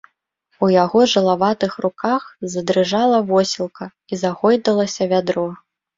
У яго жылаватых руках задрыжала восілка і загойдалася вядро.